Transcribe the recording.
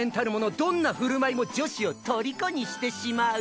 どんな振る舞いも女子を虜にしてしまう。